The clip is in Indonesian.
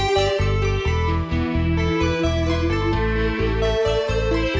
sampai jumpa lagi